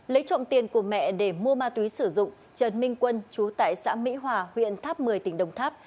lấy trộm tiền của mẹ để mua ma túy sử dụng trần minh quân chú tại xã mỹ hòa huyện tháp một mươi tỉnh đồng tháp